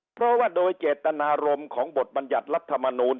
เพราะว่าโดยเจตนารมณ์ของบทบรรยัติรัฐมนูล